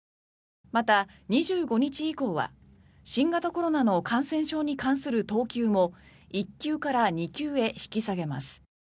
また、２５日以降は新型コロナの感染症に関する等級も１級から２級へ引き下げます。